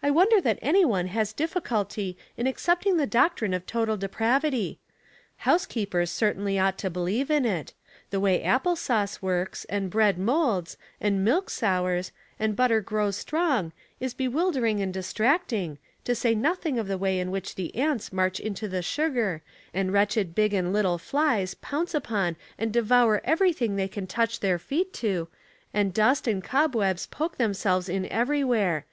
I wonder that any one has difficulty ia accepting the doctrine of total depravity. Housekeepers certainly ought to believe in it; the way apple sauce works, and bread molds, and milk sours, and butter grows strong, is be wildering and distracting, to say nothing of the way in which the ants march into the sugar, and wretched big and little flies pounce upon and devour everything they can touch their feet to, and dust and cobwebs poke themselves in everywhere.